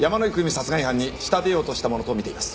殺害犯に仕立てようとしたものとみています。